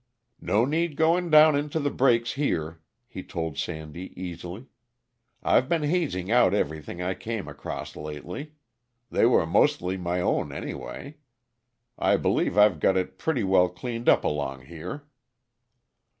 "No need going down into the breaks here," he told Sandy easily. "I've been hazing out everything I came across lately. They were mostly my own, anyway. I believe I've got it pretty well cleaned up along here."